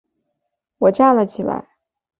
我站了起来